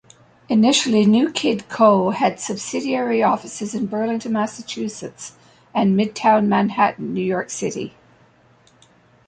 Initially NewKidCo had subsidiary offices in Burlington, Massachusetts and Midtown Manhattan, New York City.